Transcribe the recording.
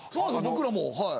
僕らもはい。